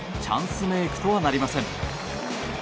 チャンスメイクとはなりません。